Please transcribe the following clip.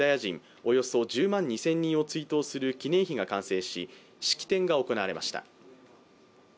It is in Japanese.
およそ１０万２０００人を追悼する記念碑が完成し式典が行われました。